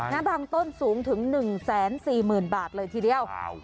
บางต้นสูงถึง๑๔๐๐๐บาทเลยทีเดียว